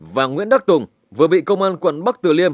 và nguyễn đắc tùng vừa bị công an quận bắc tử liêm